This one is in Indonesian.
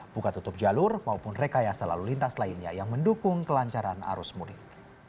buka tutup jalur maupun rekayasa lalu lintas lainnya yang mendukung kelancaran arus mudik